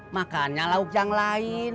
makannya lauk yang lain